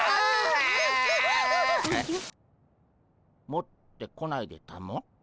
持ってこないでたも？